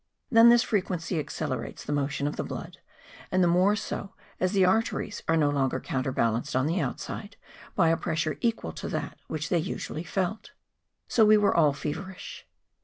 Then this frequency accelerates the motion of the blood, and the more so as the arteries were no longer counter¬ balanced on the outside by a pressure equal to that which they usually felt. So ^ye were all feverish.